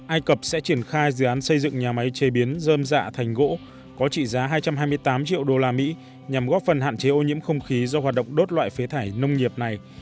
ai cập sẽ triển khai dự án xây dựng nhà máy chế biến dơm dạ thành gỗ có trị giá hai trăm hai mươi tám triệu đô la mỹ nhằm góp phần hạn chế ô nhiễm không khí do hoạt động đốt loại phế thải nông nghiệp này